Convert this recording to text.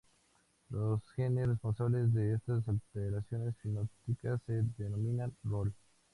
Los genes responsables de estas alteraciones fenotípicas se denominan "rol".